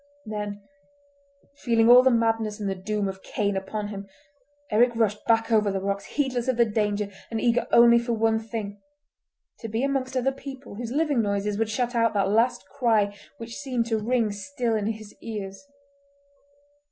Then, feeling all the madness and the doom of Cain upon him, Eric rushed back over the rocks, heedless of the danger and eager only for one thing—to be amongst other people whose living noises would shut out that last cry which seemed to ring still in his ears.